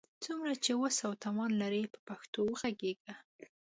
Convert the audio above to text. څومره چي وس او توان لرئ، په پښتو وږغېږئ!